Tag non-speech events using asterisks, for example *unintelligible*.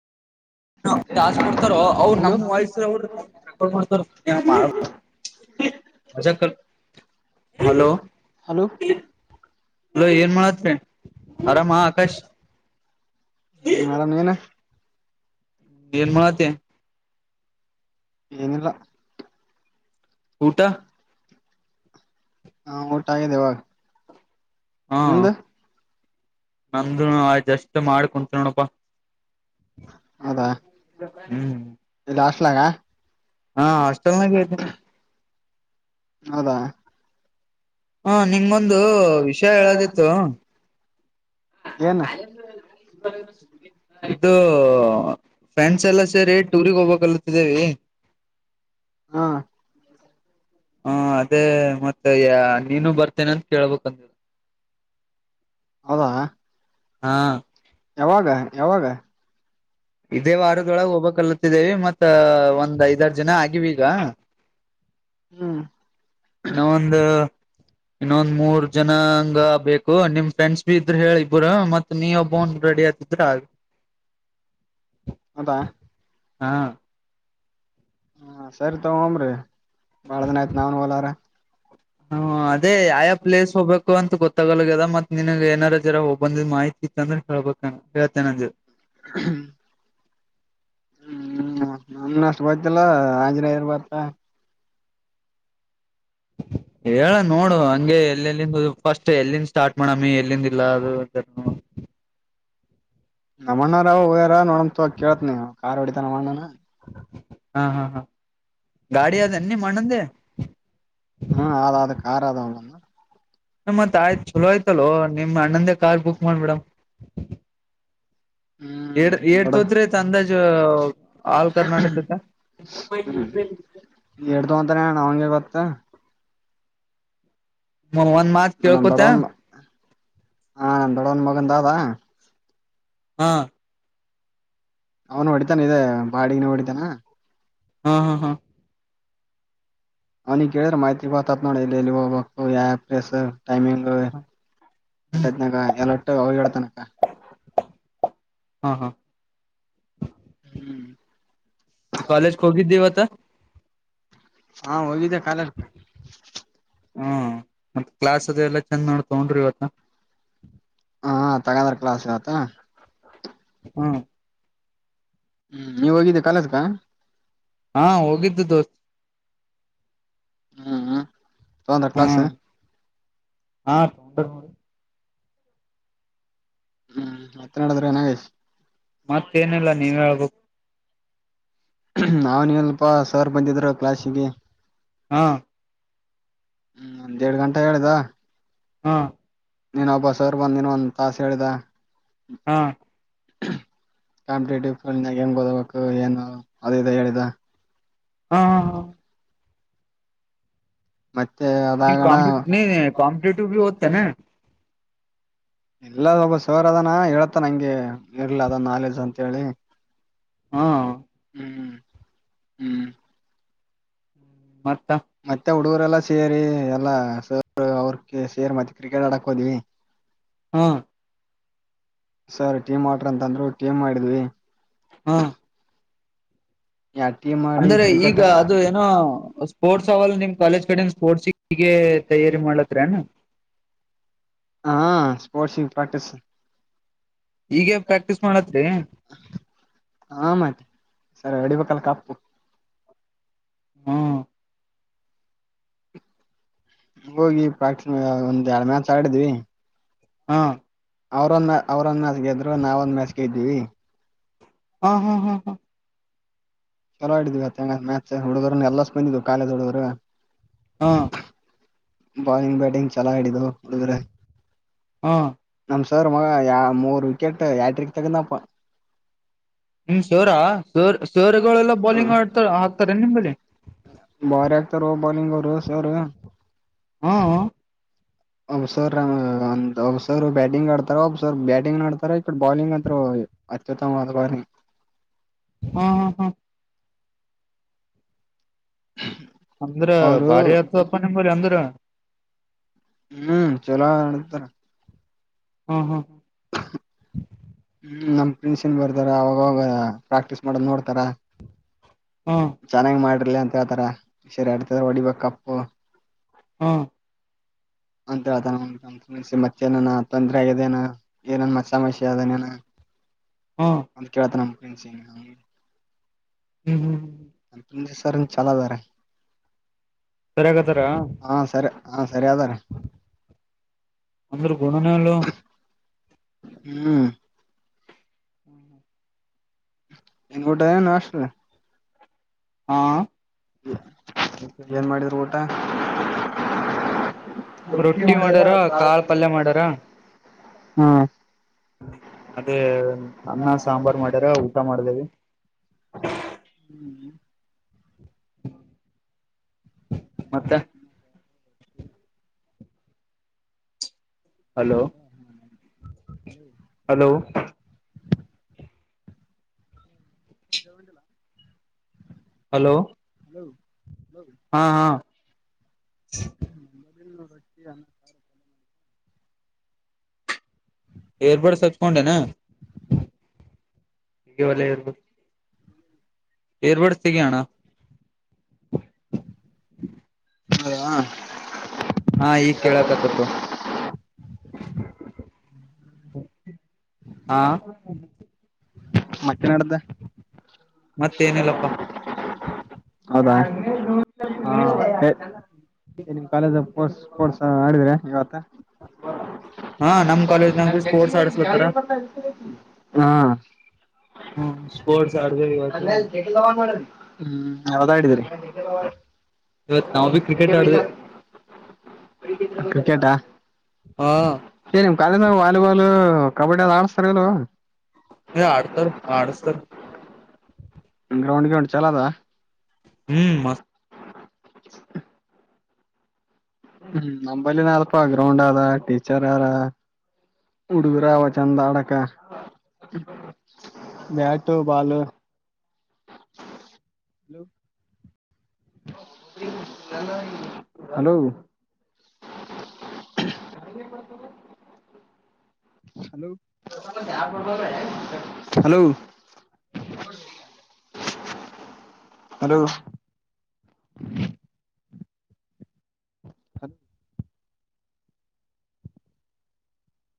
*unintelligible* Hello hello hello ಏನ್ಮಾಡತ್ತಿ, ಆರಾಮ Akash. Madam ಏನ ಏನ್ಮಾಡತ್ತಿ? ಏನಿಲ್ಲ. ಊಟ? ಹಾ ಊಟ ಆಗಿದೆವಾಗ. ಹಾ ನಮ್ದು ಆಯ್ತ್ ಜಸ್ಟ್ ಮಾಡ್ ಕುಂತ್ ನೋಡಪ್ಪಾ. ಹೌದಾ ಹ್ಮ್ *inaudible* ತ್ಲಗಾ ಹಾ ಅಷ್ *unintelligible* ಹೌದಾ? ಹ ನಿಮ್ಗೊಂದು ವಿಷಯ ಹೇಳದಿತ್ತು. ಹ ಏನ್ ಆ *unintelligible* ಇದು ಫ್ರೆಂಡ್ಸ್ ಎಲ್ಲ ಸೇರಿ ಟೂರಿಗಗ್ ಹೋಗ್ಬೇಕಲ್ಲ್ ಇದೇರಿ. ಹಾ ಹಾ ಅದೇ ಮತ್ತೆ ಯ ನೀನು ಬರ್ತೇನೊ ಅಂತ ಕೇಳ್ಬೇಕಂತ ಅವಾ ಹಾ ಯಾವಾಗ ಯಾವಾಗ? ಇದೇ ವಾರದೊಳಗೆ ಹೋಗಬಕ್ಲತ್ತಿದ್ದೀವಿ ಮತ್ತ ಒಂದ್ ಐದಾರು ಜನ ಆಗಿವಿ ಈಗ. ಹ್ಮ್ ಇನ್ನ ಒಂದು ಇನ್ನೊಂದ್ ಮೂರ್ ಜನಾ ಹಂಗ ಬೇಕು ನಿಮ್ ಫ್ರೆಂಡ್ಸ್ ಬಿ ಇದ್ರ ಹೇಳಿ ಇಬ್ರು ಮತ್ ನೀ ಒಬ್ಬನ್ ರೆಡಿ ಆತಿದ್ರ ಆಯ್ತು. ಹದಾ ಹಾ ಹಾ ಸರಿ ತಾ ಒಮ್ರೀ. ಬಾಳದಿನ ಆಯ್ತು ನಾವುನ್ ಹೊಲಾರ. ಹ್ಮ ಅದೇ ಆಯಾ ಪ್ಲೇಸ್ ಹೋಗ್ಬೇಕ್ ಕು ಅಂತ ಗೊತ್ತಾಗಲಕದ ಮತ್ತ್ ನಿನಗ್ ಏನಾರ ಜರ ಹೋಗ ಬಂದಿದ್ ಮಾಹಿತಿ ಇತ್ತ ಅಂದೆೇಳ್ಬೇಕ ಹೇಳ್ತೇನೆ ಅಂದ ಹ್ಮ ಹ್ಮ್ ನ *unintelligible* ತೊಂತಿಯಲ್ಲ ಆಂಗ್ರಿ ಇರ್ಬಾರ್ದು. ಹ ಹೇಳಣ್. ನೋಡು ಹಂಗೆ ಎಲ್ಲೆಲ್ಲಿಂದ. ಫಸ್ಟ್ ಎಲ್ಲಿಂದ ಸ್ಟಾರ್ಟ್ ಮಾಡಮ್ಮಿ ಎಲ್ಲಿಂದ ಇಲ್ಲ ಅದು. ನಮ್ಮಣ್ಣಾರ ಹೋಗ್ಯಾರ ನೋಡಮ್. *unintelligible* *unintelligible* ಹಾ ಹಾ ಹಾ. ಗಾಡಿ ಅದನ್ ನಿಮ್ ಅಣ್ಣಂದೆ ಹ್ಮ ಅದ ಅದ ಕಾರ್ ಅದ ಅವ್ ಹ್ಮ *unintelligible* ತಾಯ್ ಚಲೋ ಐತಲೋ. ನಿಮ್ ಅಣ್ಣಂದೇ ಕಾರ್ ಬುಕ್ ಮಾಡ್ಬಿಡಮ್. ಏಟ್ ದೊಡ್ಡ ಏಟ್ತೊದ್ರಿತ್ ಅಂದಾಜು ಆಲ್ ಕರ್ನಾಟಕಕ್ಕ. ಹ್ಮ್ ಎಡ್ದು ಅಂತಾನ ಅವಂಗೆ ಗೊತ್ತ ಒಂದ್ ಮಾತ್ ನಮ್ಮ ಕೇಳ್ಕೋತ ದೊಡವನ್ ಹ ನಮ್ಮ ದೊಡವನ್ ಮಗನ್ದ ಅದ. ಹಾ ಅವನು ಹೊಡಿತಾನ ಇದೆ ಬಾಡಿಗೆನೆ ಹೊಡಿತಾನ. ಹ್ಮ್ ಹ್ಮ ಹಾ. ಅವ್ನಗ್ ಕೇಳಿದ್ರ ಮಾಹಿತಿ *unintelligible* ಟೈಮಿಂಗ್ ಏಟತ್ತನಗ *unintelligible* ಹಾ ಹಾ ಹ್ಮ್ ಕಾಲೇಜ್ಕ ಹೋಗಿದ್ದಿ ಇವತ್ತ. ಹಾ ಹೋಗಿದ್ದೆ ಕಾಲೇಜ್ಕ. ಹ್ಮ ಮತ್ತ ಕ್ಲಾಸ್ ಅದೆ ಎಲ್ಲ ಚಂದ್ ನೋಡ ತಗೊಂಡ್ರಿ ಇವತ್ತ. ಹಾ ತಗಂದ್ರ ಕ್ಲಾಸ್ ಇವತ್ತ. ಹ್ಮ ಹ್ಮ್ ನೀವ್ ಹೋಗಿದ್ದೆ ಕಾಲೇಜ್ಕ. ಹಾ ಹೋಗಿದ್ದು ದೋಸ್ ಹ್ಮ್ ತೊಂದರ ಕ್ಲಾಸ್ಸು. ಹ್ಮ್ ಹಾ ತೊಂಡರೋಡು. ಹ್ಮ್ ಮತ್ತೆ ನಡಿದ್ರೆ ನಾಗೇಶ್. ಮತ್ತೇನಿಲ್ಲ ನೀವ ಹೇಳ್ಬೇಕ. ಹ್ಮ ನಾವನ್ಲ್ಪಾ ಸರ್ ಬಂದಿದ್ರು ಕ್ಲಾಸಿಗೆ. ಹಾ ಹ್ಮ್ ಒಂದ್ ದೀಡ್ ಗಂಟೆ ಹೇಳಿದ. ಹಾ ನೀನ್ ಒಬ್ಬಸವರು ಬಂದಿನ ಒಂದ ತಾಸ ಹೇಳಿದ. ಆ ಕಾಂಪಿಟೇಟಿವ್ ಫೀಲ್ಡ್ನಾಗ ಹೆಂಗ ಓದಬೇಕು ಏನು ಅದಿದು ಹೇಳಿದ. ಹಾ ಹಾ ಮತ್ತೆ ನಿ ಅದಾಗಣ ಕಾಂಪಿಟ್ ಕಾಂಪಿಟೇಟವು ಬಿ ಒದ್. ತ್ತನೆ. ಇಲ್ಲ ಒಬ್ಬ ಸರ್ ಅದಾನ ಹೇಳ್ತನಂಗೆ ಇರ್ಲ ಅದ ನಾಲೆಜ್ ಅಂತ ಹೇಳಿ. ಹಾ ಹ್ಮ್ ಹ್ಮ್ ಮತ್ತ ಮತ್ತಾ ಹುಡೂರೆಲ್ಲಾ ಸೇರಿ ಎಲ್ಲಾ ಸರ್ ಅವ್ರ ಸೇರಿ ಮತ್ತೆ ಕ್ರಿಕೆಟ್ ಆಡಕ್ ಹೋದ್ವಿ. ಹ್ಮ ಸರ್ ಟೀಮ್ ಮಾಡ್ರಿ ಅಂತಂದ್ರು ಟೀಮ್ ಮಾಡಿದ್ವಿ. ಹಾ ಯಾ ಟೀಮ್ ಮಾಡಿ ಅಂದರೆ ಈಗ ಕ್ರಿಕೆಟ್ ಅದು ಏನೋ ಸ್ಪೋರ್ಟ್ಸ್ ಅವಲ್ಲ ನಿಮ್ ಕಾಲೇಜ್ ಕಡಿಂದ ಸ್ಪೋರ್ಟ್ಸ್ ಹೀಗೆ ತಯಾರಿ ಮಾಡ್ಲತ್ರ ಏನು. ಹಾ ಸ್ಪೋರ್ಟ್ಸಗೆ ಪ್ರಾಕ್ಟೀಸ್. ಈಗೇನ್ ಪ್ರಾಕ್ಟೀಸ್ ಮಾಡತ್ರಿ. ಹಾ ಮತ್ತೆ ಸರ್ ಹೊಡಿಬೇಕಲ್ಲ ಕಪ್ಪು. ಹ್ಮ ಹೋಗಿ *unintelligible* ಒಂದ್ ಎರಡು ಮ್ಯಾಚ್ ಆಡಿದ್ವಿ. ಹಾ ಅವ್ರೊಂದ ಮ್ಯಾ ಅವ್ರೊಂದ ಮ್ಯಾಚ್ ಗೆದ್ರು ನಾವ ಒಂದ್ ಮ್ಯಾಚ್ ಗೆದ್ವಿ. ಹ ಹ್ಮ್ ಹ್ಮ್ ಹ್ಮ. ಚಲೋ ಆಡಿದ್ವಿ ಇವತ್ ಮ್ಯಾಚ್ ಹುಡುಗರನು ಎಲ್ಲಷ್ಟ ಬಂದಿದ್ವು ಕಾಲೇಜ್ ಹುಡುಗರು. ಹಾ ಬಾಲಿಂಗ್ ಬ್ಯಾಟಿಂಗ್ ಚಲ ಹಾಡಿದ್ರು ಹುಡುಗ್ರು. ಹಾ ನಿಮ್ ಸರ್ ಮಗ ಯಾ ಮೂರು ವಿಕೆಟ್ ಯಾಟ್ರಿಕ್ ತಗುಧ್ನಪ್ಪ. ಹ್ಮ ಶೋರಾ. ಸರ್ ಸರ್ಗಳೆಲ್ಲ ಬೌಲಿಂಗ್ ಮಾಡ್ತರ ಹಾಕ್ತಾರೆ ನಿಮ್ದಲ್ಲಿ. ಬಾರೆ ಆಕ್ತರೋ ಬೌಲಿಂಗರು ಸರು. ಹಾ ಹ ಒಬ್ಬಸರಾ ಒಂದ್ ಒಬ್ಬಸರು ಬ್ಯಾಟಿಂಗ್ ಆಡ್ತಾರ ಒಬ್ಬಸರ್ ಬ್ಯಾಟಿಂಗ್ನು ಆಡ್ತಾರ ಇಡೆ ಬೌಲಿಂಗ್ ಅಂತ್ರು ಅತ್ಯುತ್ತಮವಾದ ಬಾಲಿಂಗ್. ಹ್ಮ ಹಾ ಹ್ಮ. ಅಂದ್ರ ಅವರು ಭಾರಿ ಆತಪ್ಪ ನಿಮವ್ರು ಅಂದ್ರ. ಹ್ಮ್ ಚೋಲೋ ಆಡ್ತಾರ. ಹಾ ಹಾ ನಮ್ ಪ್ರಿನ್ಸಿಲ್ ಬರ್ದಾರ ಅವಾಗಾಗ ಪ್ರಾಕ್ಟೀಸ್ ಮಾಡದ್ ನೋಡ್ತಾರ. ಹಾ ಚೆನ್ನಾಗ್ ಮಾಡ್ ಲಿ ಅಂತೇಳ್ತಾರೆ *unintelligible* ಹೊಡಿಬೇಕಪ್ಪು. ಹಾ ಅಂತೇಳ್ತಾನವ ಮತ್ತೆನನ ಆತಂಕ ಇದೇನ ಏನನ್ ಮತ್ತ ಸಮಸ್ಯೆ ಅದನೇನ ಅಂತ್ ಕೇಳ್ತನ. *unintelligible* ಹ್ಮ್ ಹ್ಮ್ ಸರ್ ಚಲೊದರ. ಕರೆಗತ್ತಾರ. ಹಾ ಸರಿ ಅದಾರ ಅಂದ್ರ್ ಗುಣನೆಳು. ಹ್ಮ್ *inaudible* ಎನ್ ಊಟ ಎನ್ ನಾಷ್ಟನು? ಹಾ ಏನ್ ಮಾಡಿದ್ರು ಊಟ? ರೊಟ್ಟಿ ಮಾಡ್ಯಾರ ಕಾಲ್ ಪಲ್ಯ ಮಾಡ್ಯಾರ. ಹ್ಮ್ ಅದೇ ಅನ್ನ ಸಾಂಬರ್ ಮಾಡ್ಯಾರ ಊಟ ಮಾಡ್ದೇವಿ. ಮತ್ತೆ *inaudible* ಹಲೋ ಹಲೋ *unintelligible* ಹಲೋ ಹಾ ಹಾ ಹ್ಮ್ *inaudible* *unintelligible* ಏಬಿಡ್ಸ್ ಹಚ್ಕೊಂಡೆನಾ ಇಲ್ಲಲೆ ಏರ್ಬಡ್ಸ್ ತೆಗಿ ಅಣ. ಹದ *unintelligible* ಹಾ ಈಗ್ ಕೇಳಕತ್ತತೊಗ್. ಹಾ ಮತ್ತೆನಡ್ದ? ಮತ್ತೇನಿಲ್ಲಪ್ಪಾ ಹೌದಾ ಹಾ ನಿಮ್ ಕಾಲೇಜ್ ಸ್ಪೊಟ್ಸ್ ಸ್ಪೊರ್ಟ್ಸ್ ಆಡಿದ್ರ ಇವತ್ತ? ಹಾ ನಮ್ ಹ ಕಾಲೇಜ್ನಾಗ ಸ್ಪೋರ್ಟ್ಸ್ ಆಡಸ್ಲತ್ತಾರ *unintelligible* ಹಾ ಹ್ಮ ಸ್ಪೋರ್ಟ್ಸ್ ಆಡ್ದೇವಿ ಇವತ್ತು *unintelligible* ಯಾವ್ದಾಡಿದೀರಿ? ಇವತ್ ನಾವ್ಬಿ ಕ್ರಿಕೆಟ್ ಆಡ್ದ್ವಿ. ಕ್ರಿಕೆಟಾ ಹಾ ಏನ ಕಲೇಜ್ನಾಗ್ ವಾಲಿಬಾಲು ಕಬಡ್ಡಿ ಅದ ಆಡಿಸತಾರಿಲೊ ಏ ಆಡ್ ಸ ಆಡಸ್ತರ್ ಗ್ರೌಂಡ್ ಗೀಂಡ್ ಚಲೊದಾ? ಹ್ಮ್ ಮಸ್ ಹ್ಮ್ ನಂಬಲ್ಲಿನ ಅರಪ್ಪ ಗ್ರೌಂಡ್ ಅದ ಟೀಚರ್ ಆರ. ಹಡುಗ್ರ ಅವ ಚಂದ ಆಡಕ bat ball hello hello hello hello hello *inaudible* ಹತ್ *inaudible*